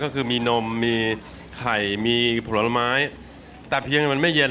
ก็คือมีนมมีไข่มีผลไม้แต่เพียงมันไม่เย็น